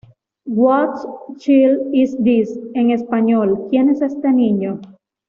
What Child Is This?, en español, ¿Quien es este Niño?